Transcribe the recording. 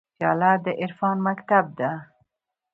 پیاله د عرفان مکتب ده.